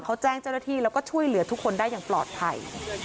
เขาแจ้งเจ้าหน้าที่แล้วก็ช่วยเหลือทุกคนได้อย่างปลอดภัย